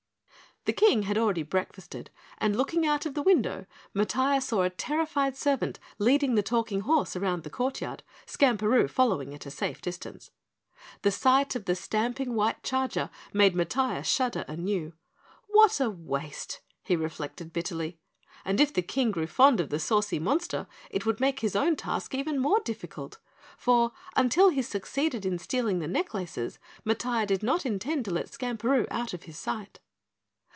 The King had already breakfasted, and looking out of the window, Matiah saw a terrified servant leading the Talking Horse around the courtyard, Skamperoo following at a safe distance. The sight of the stamping white charger made Matiah shudder anew. What a waste! he reflected bitterly, and if the King grew fond of the saucy monster it would make his own task even more difficult, for until he succeeded in stealing the necklaces, Matiah did not intend to let Skamperoo out of his sight.